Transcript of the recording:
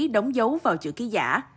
đóng dấu vào chữ ký giả